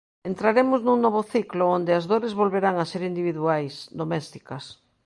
Entraremos nun novo ciclo onde as dores volverán a ser individuais, domésticas.